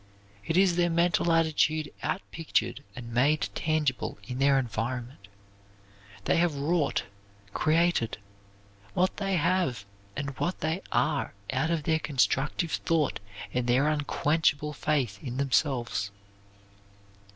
It is their mental attitude outpictured and made tangible in their environment. They have wrought created what they have and what they are out of their constructive thought and their unquenchable faith in themselves.